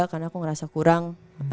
karena aku ngerasa kurang